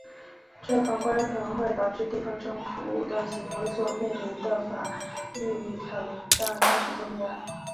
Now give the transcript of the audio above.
这反过来可能会导致地方政府武断行为所面临的法律挑战开始增加。